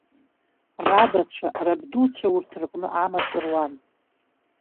Рабацәа, рабдуцәа урҭ рҟны амаҵ руан.